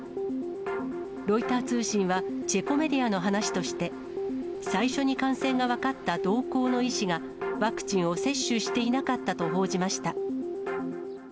ロイター通信は、チェコメディアの話として、最初に感染が分かった同行の医師が、ワクチンを接種していなかったと報じました。